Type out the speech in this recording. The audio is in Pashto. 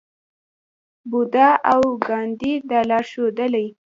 بودا او ګاندي دا لار ښودلې.